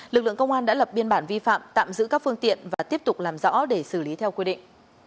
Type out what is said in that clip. lực lượng công an đã lập biên bản vi phạm tạm giữ các phương tiện và tiếp tục làm rõ để xử lý theo quy định